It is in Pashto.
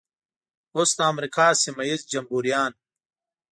اوس د امریکا سیمه ییز جمبوریان.